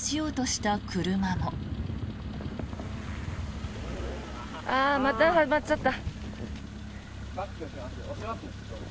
また、はまっちゃった。